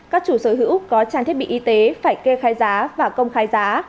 các chủ sở hữu có trang thiết bị y tế phải kê khai giá và công khai giá